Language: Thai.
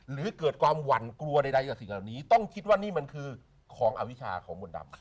หรือเกิดความหวั่นกลัวใดกับสิ่งเหล่านี้ต้องคิดว่านี่มันคือของอวิชาของมนต์ดำ